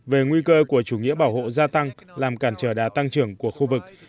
về nguy cơ của chủ nghĩa bảo hộ gia tăng làm cản trở đá tăng trưởng của khu vực